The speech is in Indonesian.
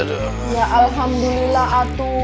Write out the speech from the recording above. ya alhamdulillah atu